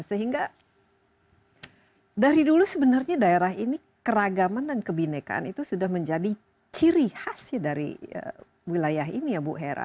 sehingga dari dulu sebenarnya daerah ini keragaman dan kebinekaan itu sudah menjadi ciri khas dari wilayah ini ya bu hera